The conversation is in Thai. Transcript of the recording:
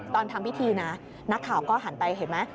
ตอนทำพิธีนะนักข่าวก็หันไปเห็นไหม